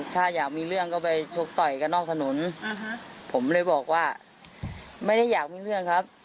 ถ้าอยากมีเรื่องก็ไปชกต่อยกันนอกถนนผมเลยบอกว่าไม่ได้อยากมีเรื่องครับ